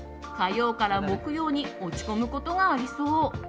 火曜から木曜に落ち込むことがありそう。